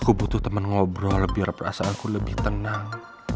aku butuh temen ngobrol biar perasaanku lebih tenang